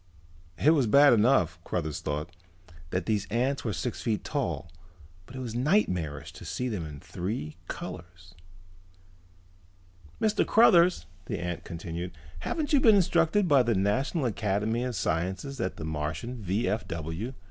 It was bad enough, Cruthers thought, that these ants were six feet tall, but it was nightmarish to see them in three colors. "Mr. Cruthers," the ant continued, "haven't you been instructed by the National Academy of Sciences that the Martian V.F.W.